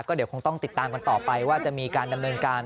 เดี๋ยวคงต้องติดตามกันต่อไปว่าจะมีการดำเนินการ